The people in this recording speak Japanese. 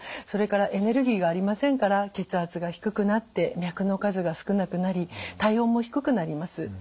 それからエネルギーがありませんから血圧が低くなって脈の数が少なくなり体温も低くなります。